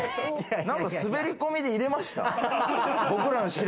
何か滑り込みで入れました？